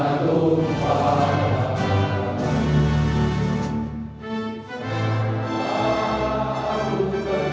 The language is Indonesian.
indonesia kebangsaanku bangsa dan tanah